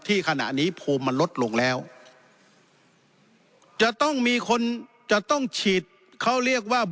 ขณะนี้ภูมิมันลดลงแล้วจะต้องมีคนจะต้องฉีดเขาเรียกว่า